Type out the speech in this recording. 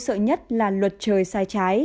sợ nhất là luật trời sai trái